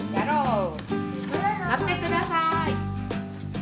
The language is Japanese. のってください。